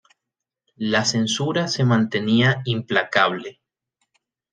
La censura se mantenía implacable.